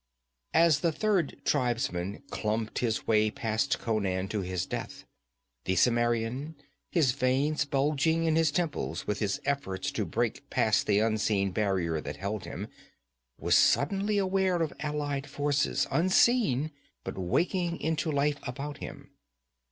As the third tribesman clumped his way past Conan to his death, the Cimmerian, his veins bulging in his temples with his efforts to break past the unseen barrier that held him, was suddenly aware of allied forces, unseen, but waking into life about him.